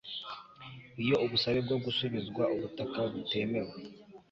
Iyo ubusabe bwo gusubizwa ubutaka butemewe